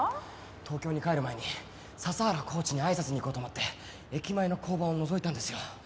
東京に帰る前に笹原コーチにあいさつに行こうと思って駅前の交番をのぞいたんですよ。